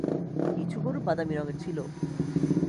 কিছু গরু বাদামি রঙের ছিল।